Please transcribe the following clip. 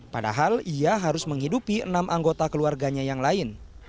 padahal ia harus menghidupi enam anggota keluarganya yang lain